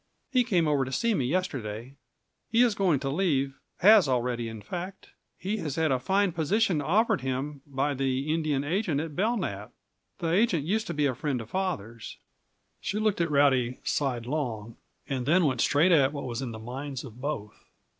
"He came over to see me yesterday. He is going to leave has already, in fact. He has had a fine position offered him by the Indian agent at Belknap. The agent used to be a friend of father's." She looked at Rowdy sidelong, and then went straight at what was in the minds of both.